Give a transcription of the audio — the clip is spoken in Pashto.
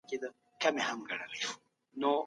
د خاوند په کور کي به ورته سالم مصروفیت وي.